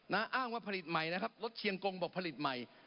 อ้างว่าผลิตใหม่นะครับรถเชียงกงบอกผลิตใหม่